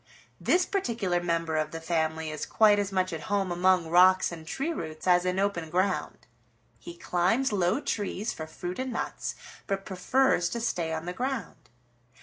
This particular member of the family is quite as much at home among rocks and tree roots as in open ground. He climbs low trees for fruit and nuts, but prefers to stay on the ground.